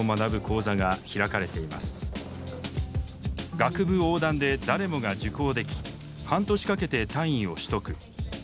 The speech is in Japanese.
学部横断で誰もが受講でき半年かけて単位を取得。